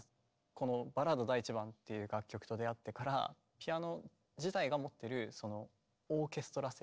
この「バラード第１番」っていう楽曲と出会ってからピアノ自体が持ってるそのオーケストラ性？